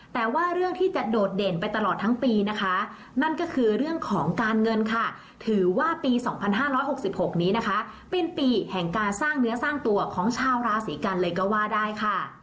แต่ว่าเรื่องที่จะโดดเด่นไปตลอดทั้งปีนะคะนั่นก็คือเรื่องของการเงินค่ะถือว่าปี๒๕๖๖นี้นะคะเป็นปีแห่งการสร้างเนื้อสร้างตัวของชาวราศีกันเลยก็ว่าได้ค่ะ